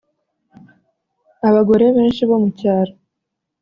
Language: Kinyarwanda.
Abagore benshi bo mu cyaro